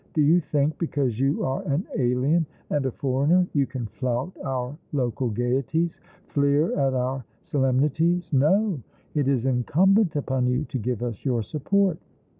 Do you think because you are an alien and a foreigner you can flout our local gaieties — fleer at our solemnities ? No^ it is incumbent upon you to give us your support."